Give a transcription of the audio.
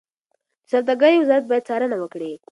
د سوداګرۍ وزارت باید څارنه وکړي.